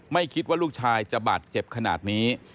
ไม่คิดว่าลูกชายจะบาดเจ็บขนาดนี้